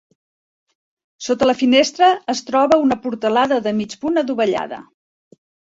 Sota la finestra es troba una portalada de mig punt adovellada.